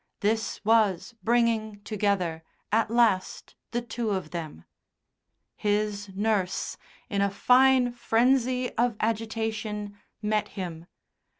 This was bringing together, at last, the two of them. His nurse, in a fine frenzy of agitation, met him.